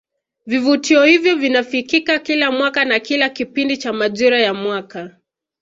Vivutio hivyo vinafikika kila mwaka na kila kipindi cha majira ya mwaka